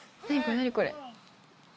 何これ？